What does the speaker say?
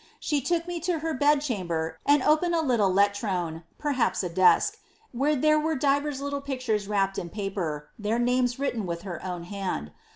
She took me to her bed ber, and opened a little leltroun^ (perhaps a desk,) where there divers little pictures wrapped in paper, their names written with »wn hand.